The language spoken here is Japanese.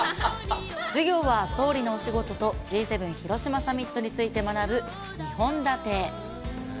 授業は総理のお仕事とＧ７広島サミットについて学ぶ２本立て。